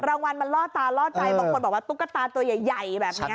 รางวัลมันล่อตาล่อใจบางคนบอกว่าตุ๊กตาตัวใหญ่แบบนี้